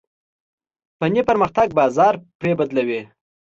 فني پرمختګ بازار پرې بدلوي.